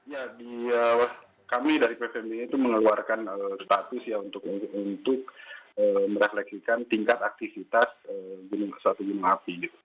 ya kami dari pfme itu mengeluarkan status untuk merefleksikan tingkat aktivitas gunung agung api